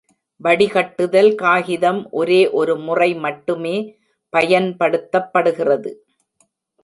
வடிகட்டுதல் காகிதம் ஒரே ஒரு முறை மட்டுமே பயன்படுத்தப்படுகிறது.